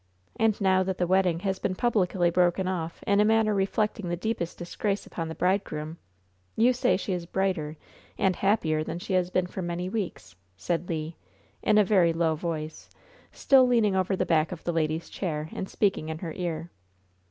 And now that the wedding has been publicly broken off in a manner reflecting the deepest disgrace upon the bridegroom, you say she is brighter and happier than she has been for many weeks," said Le, in a very low voice, still leaning over the back of the lady's chair and speaking in her ear.